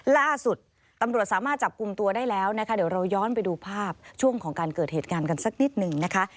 ล่าสุดตำรวจสามารถจับกลุ่มตัวได้แล้วนะคะเดี๋ยวเราย้อนไปดูภาพช่วงของการเกิดเหตุการณ์กันสักนิดหนึ่งนะคะ